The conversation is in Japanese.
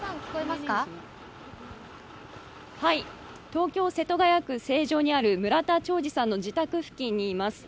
東京・世田谷区成城にある村田兆治さんの自宅付近にいます。